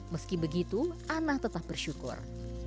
meski begitu ana tetap bersyukur